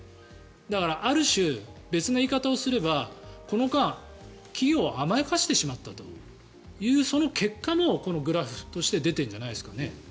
だから、ある種別の言い方をすればこの間、企業を甘やかしてしまったというその結果のこのグラフとして出ているんじゃないですかね。